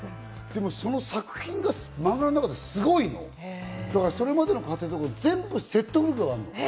でも、その作品がマンガの中ですごいのは、それまでの過程とか全部説得力があるの。